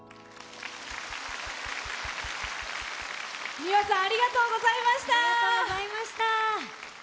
ｍｉｗａさんありがとうございました。